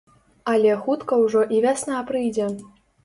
Але хутка ўжо і вясна прыйдзе.